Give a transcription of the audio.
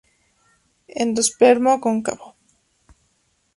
Endospermo cóncavo.